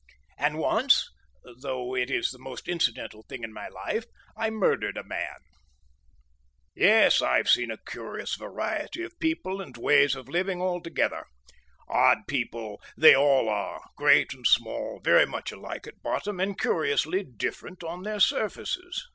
And once (though it is the most incidental thing in my life) I murdered a man.... Yes, I've seen a curious variety of people and ways of living altogether. Odd people they all are great and small, very much alike at bottom and curiously different on their surfaces.